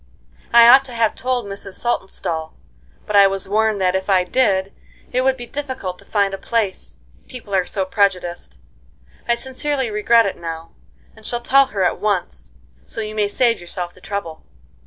I ought to have told Mrs. Saltonstall, but I was warned that if I did it would be difficult to find a place, people are so prejudiced. I sincerely regret it now, and shall tell her at once, so you may save yourself the trouble."